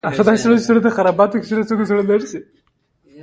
لومړۍ پوښتنه: محمد نادر خان د خپلواکۍ په جګړه کې کومه دنده درلوده؟